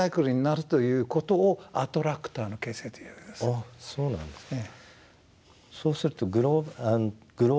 ああそうなんですね。